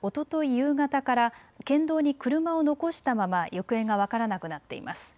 夕方から県道に車を残したまま行方が分からなくなっています。